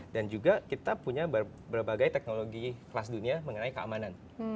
juga kita punya berbagai teknologi kelas dunia mengenai keamanan